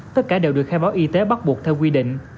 tất cả đều được khai báo y tế bắt buộc theo quy định